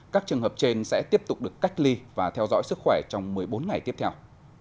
các trường hợp trên sẽ tiếp tục được cách ly và theo dõi sức khỏe trong một mươi bốn ngày tiếp theo